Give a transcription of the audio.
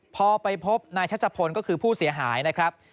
พอไปพบนายชัชพลก็คือผู้เสียหายนะครับ